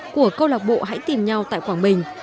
của câu lạc bộ hãy tìm nhau tại quảng bình